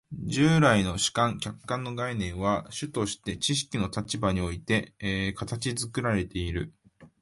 従来の主観・客観の概念は主として知識の立場において形作られている。